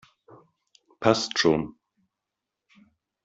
Passt schon!